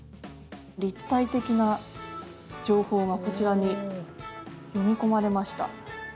立体的な情報がこちらに読み込まれました。